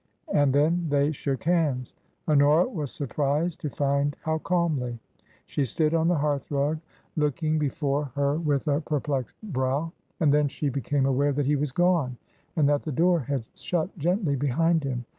And then they shook hands — Honora was surprised to find how calmly. She stood on the hearthrug look 328 TRANSITION. ing before her with a perplexed brow. And then she became aware that he was gone, and that the door had shut gently behind him.